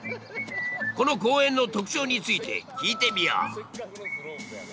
この公園の特徴について聞いてみよう。